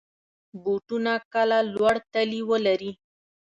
بوټونه کله لوړ تلي ولري.